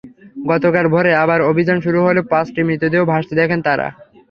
গতকাল ভোরে আবার অভিযান শুরু হলে পাঁচটি মৃতদেহ ভাসতে দেখেন তাঁরা।